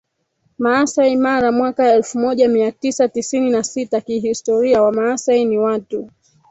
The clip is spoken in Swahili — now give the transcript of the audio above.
Maasai Mara mwaka elfu moja mia tisa tisini na sita Kihistoria Wamaasai ni watu